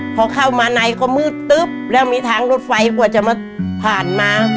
พอเข้ามาในก็มืดตึ๊บแล้วมีทางรถไฟกว่าจะมาผ่านมา